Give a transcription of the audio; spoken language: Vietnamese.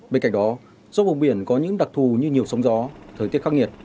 bên cạnh đó giúp vùng biển có những đặc thù như nhiều sóng gió thời tiết khắc nghiệt